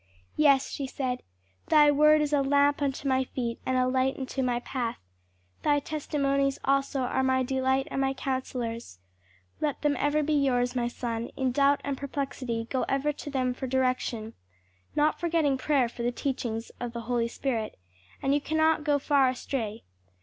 "Yes," she said, "'Thy word is a lamp unto my feet, and a light unto my path;' 'Thy testimonies also are my delight and my counsellors.' Let them ever be yours, my son; in doubt and perplexity go ever to them for direction not forgetting prayer for the teachings of the Holy Spirit and you cannot go far astray.